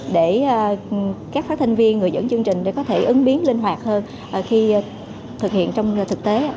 để các phát thanh viên người dẫn chương trình có thể ứng biến linh hoạt hơn khi thực hiện trong thực tế